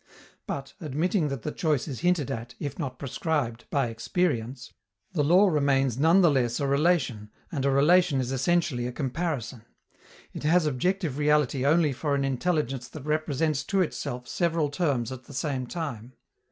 But, admitting that the choice is hinted at, if not prescribed, by experience, the law remains none the less a relation, and a relation is essentially a comparison; it has objective reality only for an intelligence that represents to itself several terms at the same time.